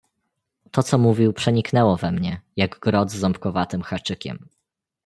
"To co mówił przeniknęło we mnie, jak grot z ząbkowatym haczykiem."